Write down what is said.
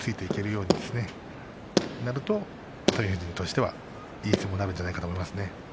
そうなると熱海富士としてはいい相撲になるんじゃないかと思いますね。